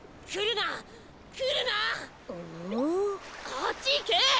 あっちいけ！